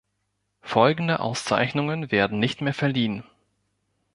Folgende Auszeichnungen werden nicht mehr verliehen.